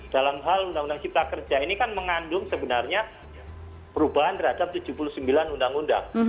dalam hal undang undang cipta kerja ini kan mengandung sebenarnya perubahan terhadap tujuh puluh sembilan undang undang